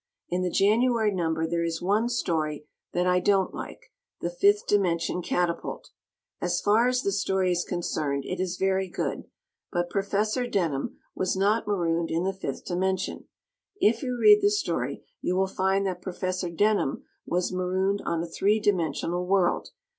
In the January number there is one story that I don't like, "The Fifth Dimension Catapult." As far as the story is concerned it is very good, but Professor Denham was not marooned in the fifth dimension. If you read the story you will find that Professor Denham was marooned on a three dimensional world.